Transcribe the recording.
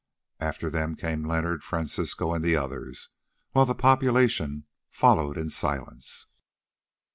After them came Leonard, Francisco, and the others, while the population followed in silence.